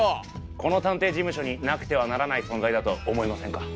この探偵事務所になくてはならない存在だと思いませんか？